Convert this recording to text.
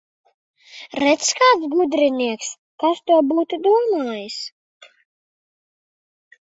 Redz, kāds gudrinieks! Kas to būtu domājis!